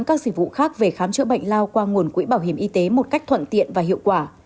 các dịch vụ khác về khám chữa bệnh lao qua nguồn quỹ bảo hiểm y tế một cách thuận tiện và hiệu quả